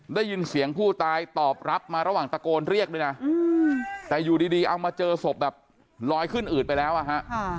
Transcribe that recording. ได้ยินเสียงผู้ตายตอบรับมาระหว่างตะโกนเรียกด้วยนะแต่อยู่ดีเอามาเจอศพแบบลอยขึ้นอืดไปแล้วอ่ะฮะ